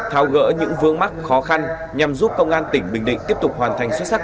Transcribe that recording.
thao gỡ những vương mắc khó khăn nhằm giúp công an tỉnh bình định tiếp tục hoàn thành xuất sắc